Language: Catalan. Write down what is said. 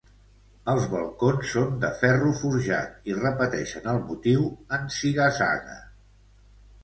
Els balcons són de ferro forjat i repeteixen el motiu en ziga-zaga.